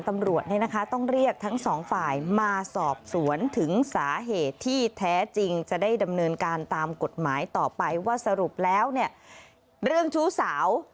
ไม่ไม่สงสัยกับเขาเลยเพราะเห็นหน้าชัดเลยครับ